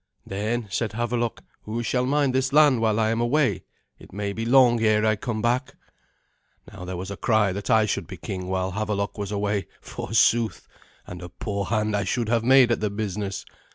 "Then," said Havelok, "who shall mind this land while I am away? It may be long ere I come back." Now there was a cry that I should be king while Havelok was away, forsooth! and a poor hand I should have made at the business.